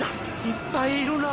いっぱいいるな。